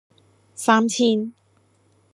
三千